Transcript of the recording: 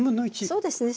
そうですね。